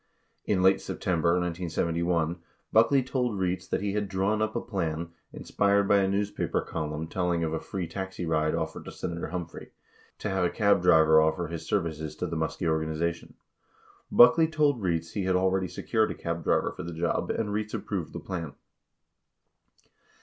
1 * In late September 1971, Buckley told Rietz that he had drawn up a plan, inspired by a newspaper column telling of a free taxi ride of fered to Senator Humphrey, 15 to have a cab driver offer his services to the Muskie organization. Buckley told Rietz he had already secured a cab driver for the job, and Rietz approved the plan.